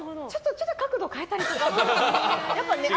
ちょっと角度を変えたりします。